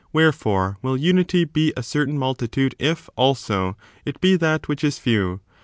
Wherefore, will unity be a certain multitude if, also, it be that which is few.